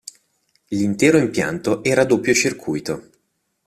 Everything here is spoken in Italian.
L'intero impianto era a doppio circuito.